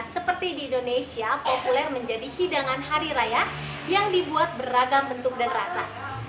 seperti di indonesia populer menjadi hidangan hari raya yang dibuat beragam bentuk dan rasa